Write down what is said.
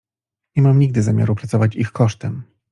"Nie mam nigdy zamiaru pracować ich kosztem."